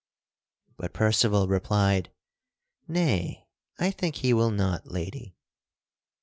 But Percival replied, "Nay; I think he will not, lady."